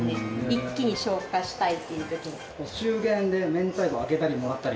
一気に消化したいっていう時に。